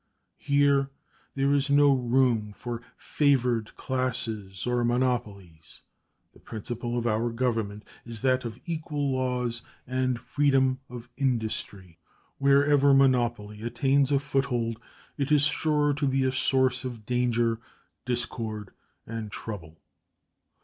Here there is no room for favored classes or monopolies; the principle of our Government is that of equal laws and freedom of industry. Wherever monopoly attains a foothold, it is sure to be a source of danger, discord, and trouble.